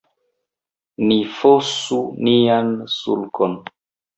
Ni fosu nian sulkon.